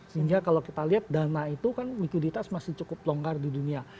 sehingga kalau kita lihat dana itu kan likuiditas masih cukup longgar di dunia